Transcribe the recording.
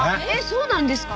そうなんですか？